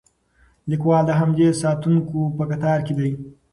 لیکوال د همدې ساتونکو په کتار کې دی.